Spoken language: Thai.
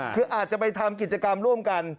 คืออาจจะไปทำกิจกรรมร่วมกัน